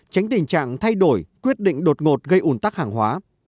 tránh tình trạng thay đổi quyết định đột ngột gây ủn tắc hàng hóa